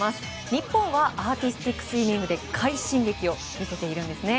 日本はアーティスティックスイミングで快進撃を見せているんですね。